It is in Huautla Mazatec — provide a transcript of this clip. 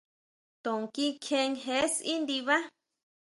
Tjon kikjen, jee tsí ndibá.